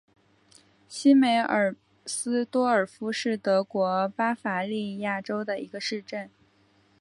西梅尔斯多尔夫是德国巴伐利亚州的一个市镇。